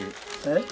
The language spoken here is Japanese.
えっ？